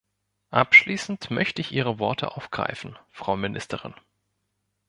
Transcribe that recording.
Abschließend möchte ich Ihre Worte aufgreifen, Frau Ministerin.